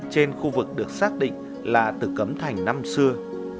trên khu vực được xác định là từ cấm thành năm xưa